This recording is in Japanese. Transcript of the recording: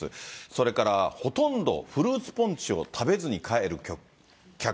それからほとんどフルーツポンチを食べずに帰る客。